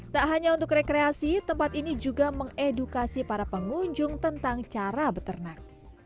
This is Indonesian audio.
tak hanya untuk rekreasi tempat ini juga mengedukasi para pengunjung tentang cara beternak